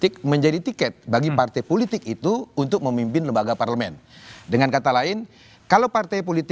kekuatan partai yang di luar